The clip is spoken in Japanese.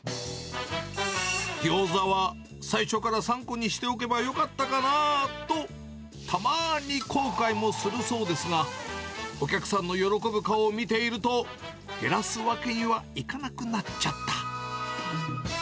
ギョーザは最初から３個にしておけばよかったかなあと、たまに後悔もするそうですが、お客さんの喜ぶ顔を見ていると、減らすわけにはいかなくなっちゃった。